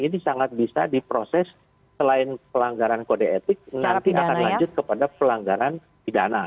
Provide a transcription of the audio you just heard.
ini sangat bisa diproses selain pelanggaran kode etik nanti akan lanjut kepada pelanggaran pidana